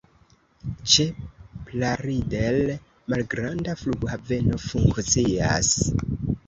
Ĉe Plaridel malgranda flughaveno funkcias.